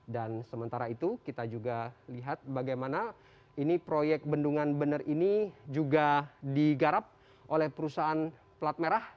dan sementara itu kita juga lihat bagaimana ini proyek bendungan benar ini juga digarap oleh perusahaan pelat merah